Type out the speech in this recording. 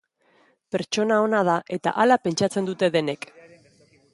Pertsona ona da eta hala pentsatzen dute denek.